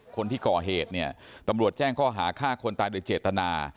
คนที่เกาะเผจตำลวดแจ้งก้อหาฆ่าคนตายด้วยเจตนา